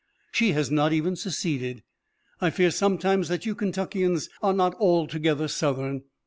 She has not even seceded. I fear sometimes that you Kentuckians are not altogether Southern.